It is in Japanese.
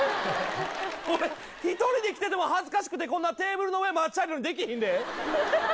俺１人で来てても恥ずかしくてこんなテーブルの上真っ茶色にできへんで。